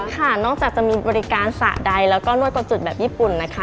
ค่ะนอกจากจะมีบริการสระใดแล้วก็นวดกว่าจุดแบบญี่ปุ่นนะคะ